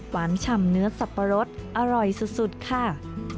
หวานฉ่ำเนื้อสับปะรดอร่อยสุดค่ะ